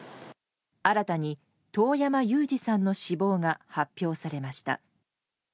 新たにトオヤマ・ユウジさんの死亡が発表されました。